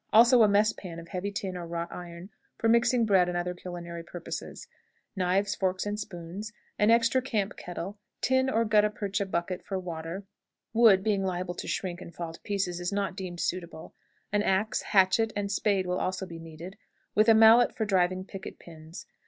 Also a mess pan of heavy tin or wrought iron for mixing bread and other culinary purposes; knives, forks, and spoons; an extra camp kettle; tin or gutta percha bucket for water wood, being liable to shrink and fall to pieces, is not deemed suitable; an axe, hatchet, and spade will also be needed, with a mallet for driving picket pins.